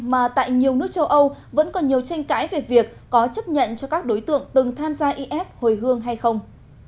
mà tại nhiều nước châu âu vẫn còn nhiều tranh cãi về việc có chấp nhận cho các đối tượng từng tham gia is hồi hương hay không